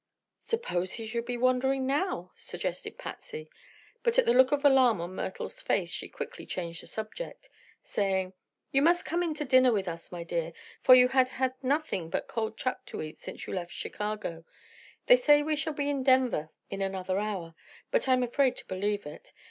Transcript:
"Suppose he should be wandering now?" suggested Patsy; but at the look of alarm on Myrtle's face she quickly changed the subject, saying: "You must come in to dinner with us, my dear, for you have had nothing but cold truck to eat since you left Chicago. They say we shall be in Denver in another hour, but I'm afraid to believe it.